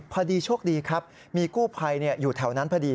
พอดีโชคดีครับมีกู้ภัยอยู่แถวนั้นพอดี